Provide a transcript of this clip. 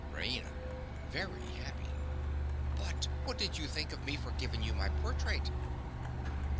RAINA. (very happy). But what did you think of me for giving you my portrait?